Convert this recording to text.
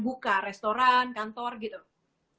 buka restoran kantor gitu